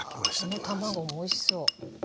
この卵もおいしそう。